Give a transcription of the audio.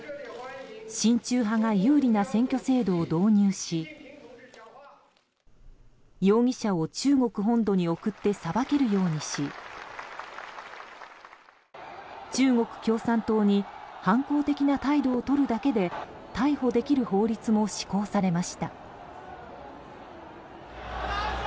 親中派が有利な選挙制度を導入し容疑者を中国本土に送って裁けるようにし中国共産党に反抗的な態度をとるだけで逮捕できる法律も施行されました。